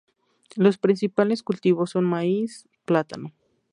Los principales cultivos son maíz, plátano.